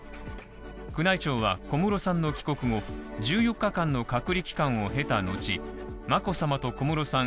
宮内庁は小室さんの帰国後１４日間の隔離期間を経た後眞子さまと小室さん